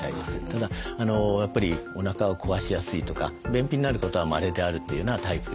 ただやっぱりおなかを壊しやすいとか便秘になることはまれであるというようなタイプになると思います。